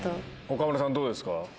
岡村さん、どうですか。